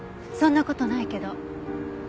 そんな事ないけど。